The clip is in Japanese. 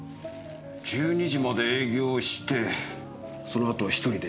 １２時まで営業してその後は１人で片付けを。